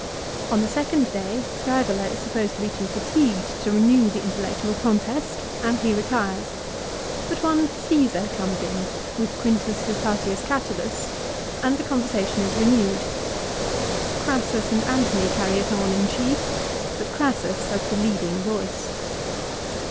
On the second day Scsevola is supposed to be too fatigued to renew the intellectual contest, and he retires ; but one Caesar comes in with Quintus Lutatius Catulus, and the conversation is renewed. Crassus and Antony carry it on in chief, but Crassus has the leading voice.